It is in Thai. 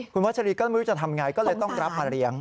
คุณวัชรีก็ไม่รู้จะทำไงก็เลยต้องรับมาเลี้ยง